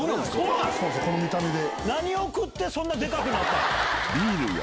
この見た目で。